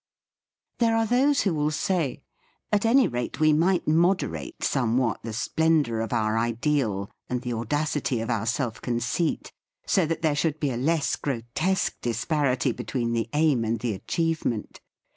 There are those who will say: "At any rate, we might moderate somewhat the splendour of our ideal and the au dacity of our self conceit, so that there should be a less grotesque disparity be tween the aim and the achievement.